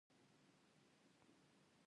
آیا لرګي د سوخت لپاره کارول کیږي؟